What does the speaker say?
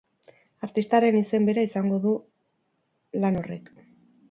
Artistaren izen bera izango du lan horrek.